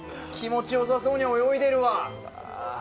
気持ち良さそうに泳いでるわ！